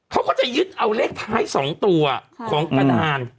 เขาก็จะยึดเอาเลขท้าย๒ตัวของกระดาน